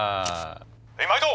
「へいまいど！